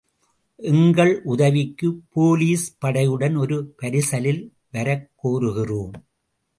எங்கள் உதவிக்குப் போலீஸ் படையுடன் ஒரு பரிசலில் வரக் கோருகிறோம்.